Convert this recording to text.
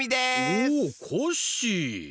おっコッシー。